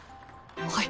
はい。